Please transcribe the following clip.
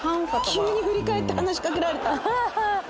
急に振り返って話しかけられた。